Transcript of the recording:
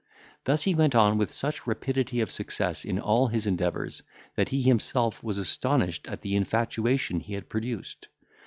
Thus he went on with such rapidity of success in all his endeavours, that he himself was astonished at the infatuation he had produced.